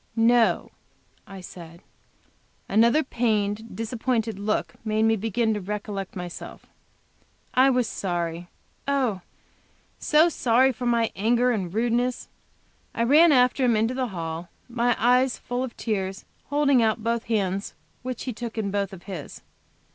"No," I said. Another pained, disappointed look made me begin to recollect myself. I was sorry, oh! so sorry, for my anger and rudeness. I ran after him, into the hall, my eyes full of tears, holding out both hands, which he took in both his.